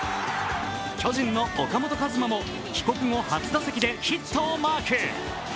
巨人の岡本和真も帰国後初打席でヒットをマーク。